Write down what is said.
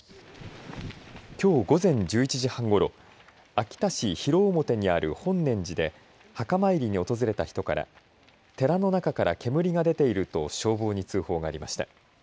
きょう午前１１時半ごろ、秋田市広面にある本念寺で墓参りに訪れた人から寺の中から煙が出ていると消防に通報がありました。